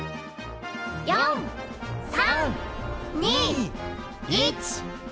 ４３２１０！